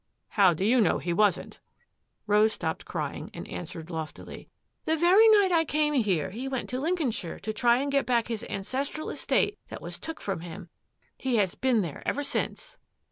" How do you know he wasn't? " Rose stopped crying and answered loftily. " The very night I came here he went to Lincoln shire to try and get back his ancestral estate that was took from him. He has been there ever since."